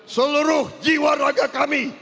seluruh jiwa raga kami